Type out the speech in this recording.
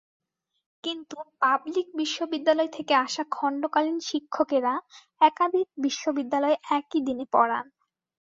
কিন্তু পাবলিক বিশ্ববিদ্যালয় থেকে আসা খণ্ডকালীন শিক্ষকেরা একাধিক বিশ্ববিদ্যালয়ে একই দিনে পড়ান।